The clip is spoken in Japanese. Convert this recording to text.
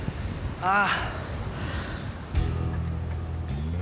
ああ。